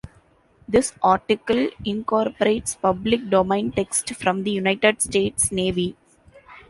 This article incorporates public domain text from the United States Navy.